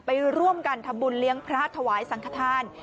ไปร่วมกันทำบุญเลี้ยงพระถวายสังขทาน